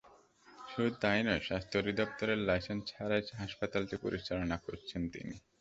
শুধু তা-ই নয়, স্বাস্থ্য অধিদপ্তরের লাইসেন্স ছাড়াই হাসপাতালটি পরিচালনা করছেন তিনি।